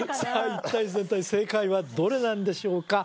一体全体正解はどれなんでしょうか？